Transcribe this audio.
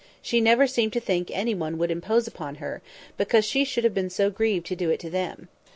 She never seemed to think any one would impose upon her, because she should be so grieved to do it to them.